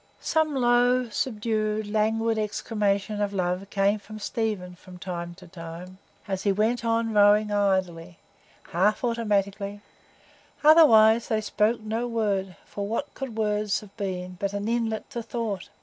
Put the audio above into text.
Some low, subdued, languid exclamation of love came from Stephen from time to time, as he went on rowing idly, half automatically; otherwise they spoke no word; for what could words have been but an inlet to thought?